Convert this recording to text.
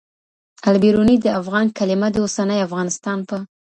البیرونی د افغان کلمه د اوسني افغانستان په